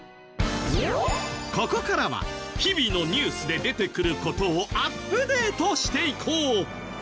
ここからは日々のニュースで出てくる事をアップデートしていこう。